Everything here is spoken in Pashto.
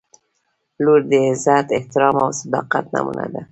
• لور د عزت، احترام او صداقت نمونه ده.